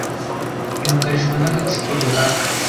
Yugarijwe n’agatsiko runaka.